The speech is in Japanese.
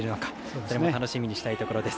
次回も楽しみにしたいところです。